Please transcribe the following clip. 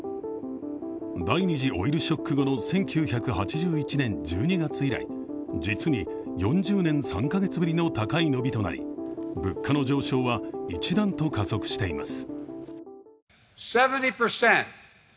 第２次オイルショック後の１９８１年１２月以来、実に４０年３カ月ぶりの高い伸びとなり物価の上昇は一段と加速しています。